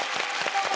どうも！